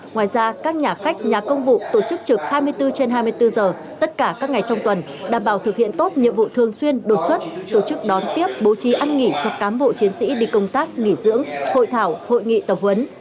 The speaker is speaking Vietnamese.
ngoài ra các nhà khách nhà công vụ tổ chức trực hai mươi bốn trên hai mươi bốn giờ tất cả các ngày trong tuần đảm bảo thực hiện tốt nhiệm vụ thường xuyên đột xuất tổ chức đón tiếp bố trí ăn nghỉ cho cám bộ chiến sĩ đi công tác nghỉ dưỡng hội thảo hội nghị tập huấn